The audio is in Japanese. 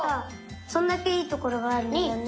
そんだけいいところがあるんだよね。